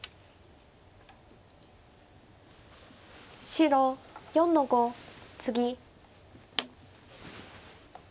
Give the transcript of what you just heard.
白４の五ツギ。